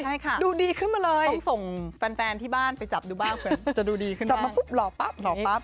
ใช่ค่ะต้องส่งแฟนที่บ้านไปจับดูบ้างกันจะดูดีขึ้นมากหล่อปั๊บ